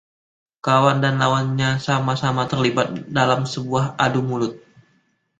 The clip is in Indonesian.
Kawan dan lawannya sama-sama terlibat dalam sebuah adu mulut.